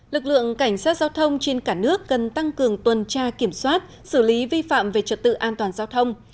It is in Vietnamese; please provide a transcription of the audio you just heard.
lực lượng cảnh sát giao thông trên cả nước cần tăng cường tuần tra kiểm soát xử lý vi phạm về trật tự an toàn giao thông